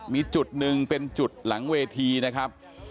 มีจุดหนึ่งเป็นจุดหลังเวทีนะครับ